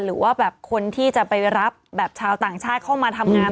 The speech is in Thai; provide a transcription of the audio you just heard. หรือว่าแบบคนที่จะไปรับแบบชาวต่างชาติเข้ามาทำงาน